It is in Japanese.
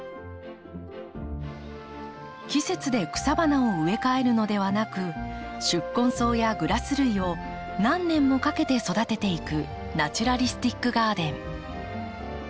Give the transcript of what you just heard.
季節で草花を植え替えるのではなく宿根草やグラス類を何年もかけて育てていくナチュラリスティック・ガーデン。